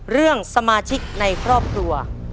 เรื่องสมาชิกในครอบครัว